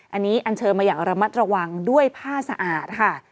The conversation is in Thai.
อันนี้อันเชิญมาอย่างระมัดระวังด้วยผ้าสะอาดค่ะ